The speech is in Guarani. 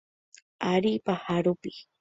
Ary paha rupi.